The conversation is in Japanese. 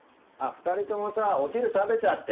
２人ともさお昼食べちゃって。